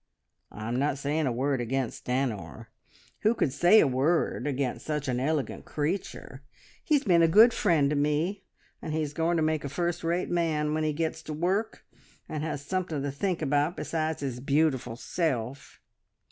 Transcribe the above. "I'm not saying a word against Stanor! Who could say a word against such an elegant creature? He's been a good friend to me, and he's going to make a first rate man when he gets to work, and has something to think about besides his beautiful self.